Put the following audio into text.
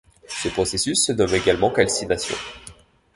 Ce processus se nomme également calcination.